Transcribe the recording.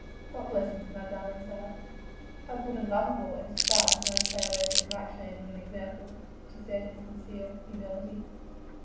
"What blessings my darlings are! how good and lovable in spite of my failures in right training and example," she said in sincere humility.